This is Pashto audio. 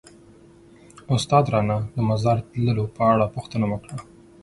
استاد رانه د مزار تلو په اړه پوښتنه وکړه.